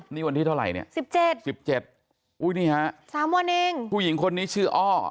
นี่วันที่เท่าไรเนี่ยสิบเจ็ดสิบเจ็ดอุ้ยนี่ฮะสามวันเองผู้หญิงคนนี้ชื่ออ้อ